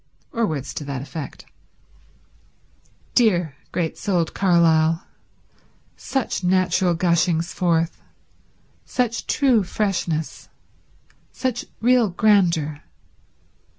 Or words to that effect. Dear, great souled Carlyle. Such natural gushings forth; such true freshness; such real grandeur.